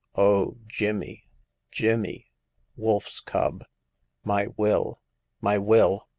O Jimmy, Jimmy ! Wolf's cub ! My will ! my will